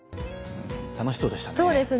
楽しそうでしたね。